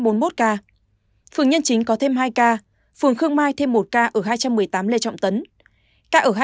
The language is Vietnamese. phường nhân chính có thêm hai ca phường khương mai thêm một ca ở hai trăm một mươi tám lê trọng tấn